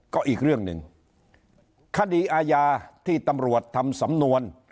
ก็อีกเรื่องหนึ่งคดีอาญาที่ตำรวจทำสำนวน